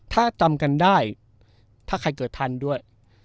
ถ้าจำกันได้ถ้าใครเกิดทันด้วย